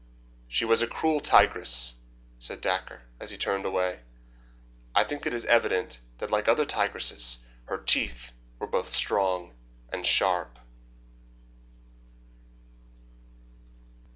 "She was a cruel tigress," said Dacre, as he turned away. "I think it is evident that like other tigresses her teeth were both strong and sharp."